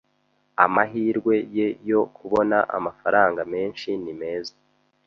Amahirwe ye yo kubona amafaranga menshi ni meza.